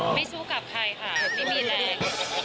สู้กับใครค่ะไม่มีแรง